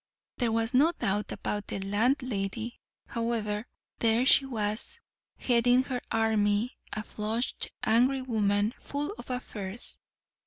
There was no doubt about the landlady, however: there she was, heading her army, a flushed, angry woman, full of affairs.